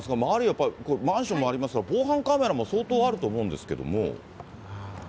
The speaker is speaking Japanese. やっぱり、マンションもありますが、防犯カメラも相当あると思うんですけれども。